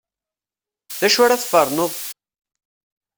D acu ara tferned?